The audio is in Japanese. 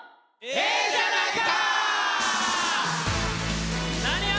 ええじゃないか！」